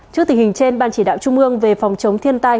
trước tình hình trên ban chỉ đạo trung ương về phòng chống thiên tai